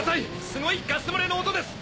すごいガスもれの音です！